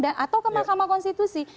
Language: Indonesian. atau ke mahkamah konstitusi